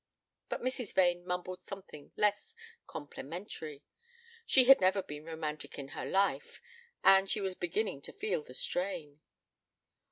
But Mrs. Vane mumbled something less complimentary. She had never been romantic in her life; and she was beginning to feel the strain.